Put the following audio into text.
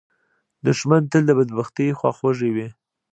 دښمن تل د بدبختۍ خواخوږی وي